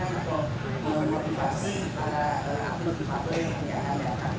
atau memotivasi para atlet di paku yang tidak ada